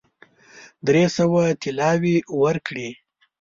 درې سوه طلاوي ورکړې.